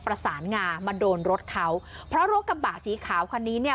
ประสานงามาโดนรถเขาเพราะรถกระบะสีขาวคันนี้เนี่ย